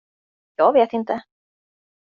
Jag vet inte.